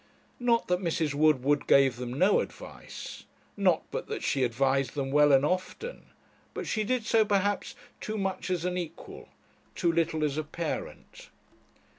Not that Mrs. Woodward gave them no advice; not but that she advised them well and often but she did so, perhaps, too much as an equal, too little as a parent.